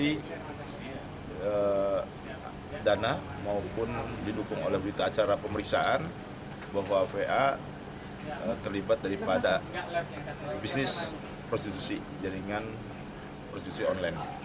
di dana maupun didukung oleh berita acara pemeriksaan bahwa va terlibat daripada bisnis prostitusi jaringan prostitusi online